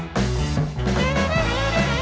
รับทราบ